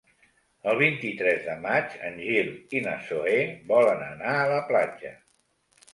El vint-i-tres de maig en Gil i na Zoè volen anar a la platja.